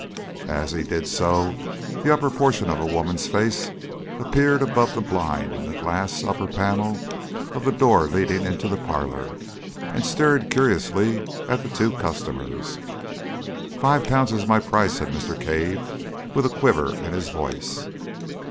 As he did so, the upper portion of a woman's face appeared above the blind in the glass upper panel of the door leading into the parlour, and stared curiously at the two customers. "Five pounds is my price," said Mr. Cave, with a quiver in his voice.